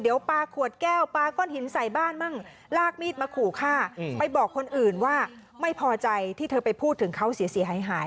เดี๋ยวปลาขวดแก้วปลาก้อนหินใส่บ้านมั่งลากมีดมาขู่ฆ่าไปบอกคนอื่นว่าไม่พอใจที่เธอไปพูดถึงเขาเสียหายหาย